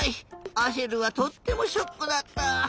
アシェルはとってもショックだった。